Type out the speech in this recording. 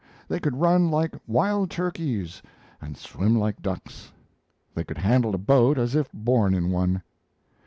They could run like wild turkeys and swim like ducks; they could handle a boat as if born in one.